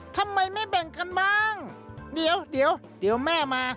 ทำไมไม่แบ่งกันบ้างเดี๋ยวเดี๋ยวแม่มา